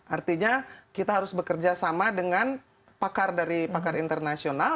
artinya kita harus bekerja sama dengan pakar dari pakar internasional